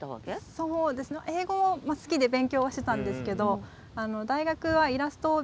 そうですね英語もまあ好きで勉強はしてたんですけど大学ははあ？